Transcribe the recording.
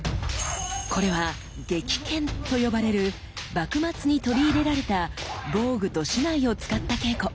これは「撃剣」と呼ばれる幕末に取り入れられた防具と竹刀を使った稽古。